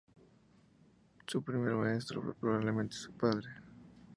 Su primer maestro fue probablemente su padre.